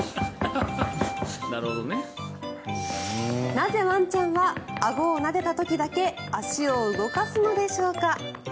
なぜワンちゃんはあごをなでた時だけ足を動かすのでしょうか。